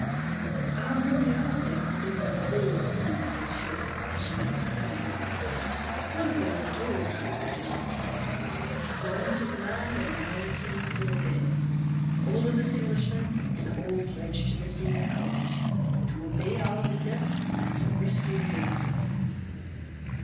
"How many are there in your brave league, Monsieur?" she asked timidly. "Twenty all told, Mademoiselle," he replied, "one to command, and nineteen to obey. All of us Englishmen, and all pledged to the same cause—to obey our leader and to rescue the innocent."